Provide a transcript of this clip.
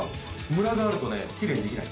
ムラがあるとキレイにできない。